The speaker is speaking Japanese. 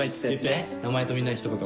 名前とみんなに一言。